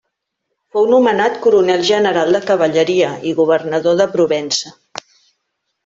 Fou nomenat coronel general de cavalleria i governador de Provença.